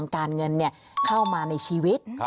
เข้ามาในชีวิต